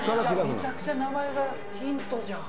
めちゃくちゃ名前がヒントじゃん。